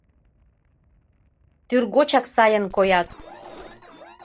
Тӱргочак сайын коят.